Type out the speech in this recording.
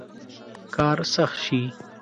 کار سخت شي.